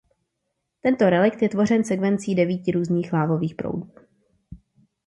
Tento relikt je tvořen sekvencí devíti různých lávových proudů.